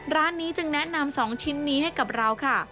ร้านนี้จึงแนะนำ๒ชิ้นนี้ให้กับเราค่ะ